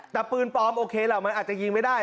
แต่ปืนปลอมโอเคล่ะมันอาจจะยิงไม่ได้